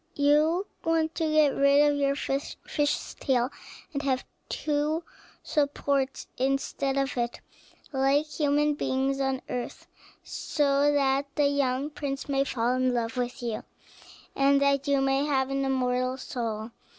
You want to get rid of your fish's tail, and to have two supports instead of it, like human beings on earth, so that the young prince may fall in love with you, and that you may have an immortal soul."